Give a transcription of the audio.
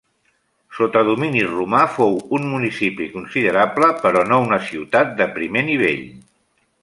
Sota domini romà fou un municipi considerable però no una ciutat de primer nivell.